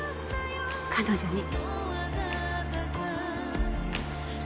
彼女に。